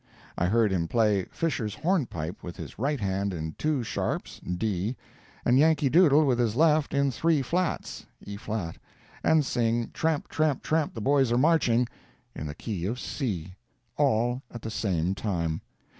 I heard him play "Fisher's Hornpipe" with his right hand in two sharps (D), and "Yankee Doodle" with his left in three flats (E flat), and sing "Tramp, tramp, tramp, the Boys are Marching," in the key of C—all at the same time.